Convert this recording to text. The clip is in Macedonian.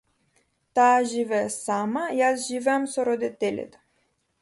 Таа живее сама, јас живеам со родителите.